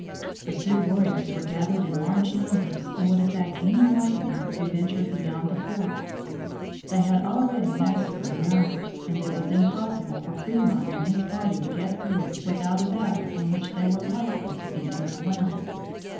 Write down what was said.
The Sioux warriors were gathered in large numbers and would attack any white men who ventured beyond the fort. They had already massacred a number and it was impossible for Fremont and his party to get through without a battle in which they were likely to be overwhelmed.